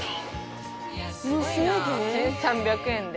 １，３００円で。